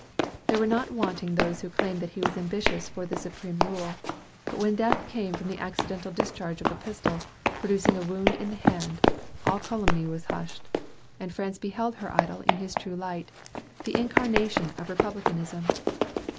There were not wanting those who claimed that he was ambitious for the supreme rule; but when death came from the accidental discharge of a pistol, producing a wound in the hand, all calumny was hushed, and France beheld her idol in his true light, the incarnation of republicanism.